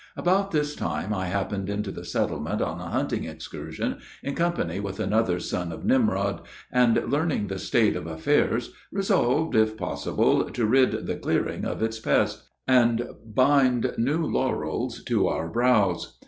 About this time I happened into the settlement on a hunting excursion, in company with another son of Nimrod, and learning the state of affairs, resolved, if possible, to rid the "clearing" of its pest, and bind new laurels on our brows.